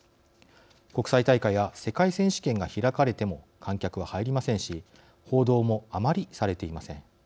国際大会や世界選手権が開かれても観客は入りませんし報道もあまりされていません。